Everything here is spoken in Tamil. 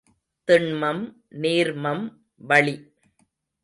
திண்மம், நீர்மம், வளி.